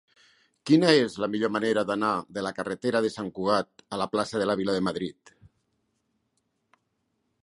Quina és la millor manera d'anar de la carretera de Sant Cugat a la plaça de la Vila de Madrid?